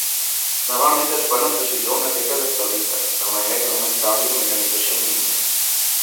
Normalment es fon amb precisió una peca d'estelita, de manera que només calgui una mecanització mínima.